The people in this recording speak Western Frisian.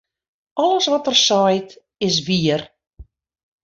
Alles wat er seit, is wier.